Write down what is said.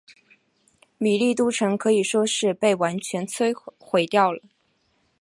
米利都城可以说是被完全毁掉了。